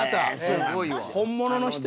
すごいわ。